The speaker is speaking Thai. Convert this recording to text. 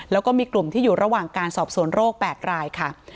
แล้วก็มีกลุ่มที่อยู่ระหว่างการสอบสวนโรค๘รายค่ะ